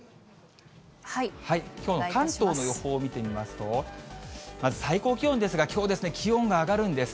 きょうの関東の予報を見てみますと、まず最高気温ですが、きょう、気温が上がるんです。